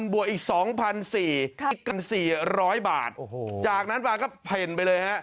๗๐๐๐บว่าอีก๒๔๐๐บาทจากนั้นปลาก็ผิดไปเลยฮะ